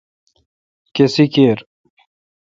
کھسی کیر۔